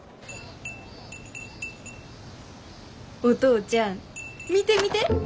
お父ちゃん見て見て！